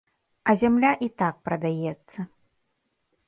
А зямля і так прадаецца.